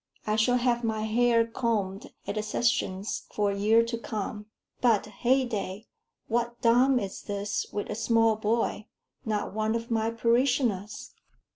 I shall have my hair combed at the sessions for a year to come. But, heyday! What dame is this, with a small boy? not one of my parishioners?"